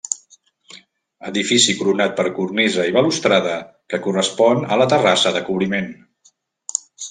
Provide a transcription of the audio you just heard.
Edifici coronat per cornisa i balustrada, que correspon a la terrassa de cobriment.